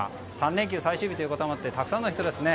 ３連休最終日ということもあってたくさんの人がいますね。